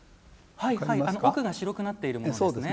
奥が白くなっているものですね。